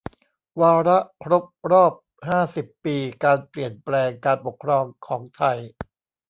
วาระครบรอบห้าสิบปี การเปลี่ยนแปลงการปกครองของไทย